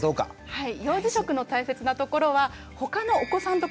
はい。